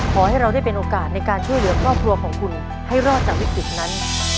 ขอให้เราได้เป็นโอกาสในการช่วยเหลือครอบครัวของคุณให้รอดจากวิกฤตนั้น